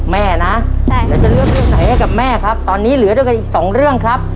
แม่นะแล้วจะเลือกเรื่องไหนให้กับแม่ครับตอนนี้เหลือด้วยกันอีกสองเรื่องครับ